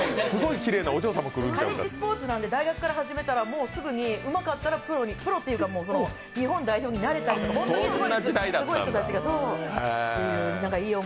カレッジスポーツなんで、大学に入ってもうすぐにうまかったらプロというか、日本代表になれたりとか、本当にすごい人たちがっていう。